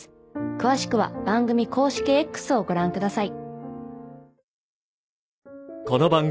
詳しくは番組公式Ｘをご覧ください